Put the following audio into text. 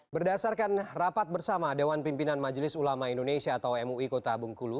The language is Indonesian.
berdasarkan rapat bersama dewan pimpinan majelis ulama indonesia atau mui kota bengkulu